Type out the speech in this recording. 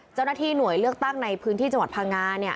เจ้าหน้าที่หน่วยเลือกตั้งในพื้นที่จังหวัดพังงา